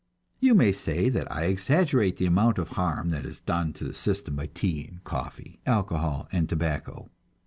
You may say that I exaggerate the amount of harm that is done to the system by tea and coffee, alcohol and tobacco.